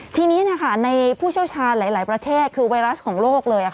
ทีนี้ในผู้เชี่ยวชาญหลายประเทศคือไวรัสของโลกเลย